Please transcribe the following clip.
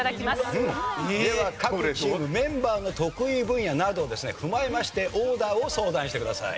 では各チームメンバーの得意分野などをですね踏まえましてオーダーを相談してください。